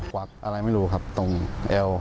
วักอะไรไม่รู้ครับตรงเอว